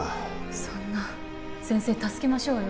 そんな先生助けましょうよ